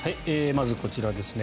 まずこちらですね。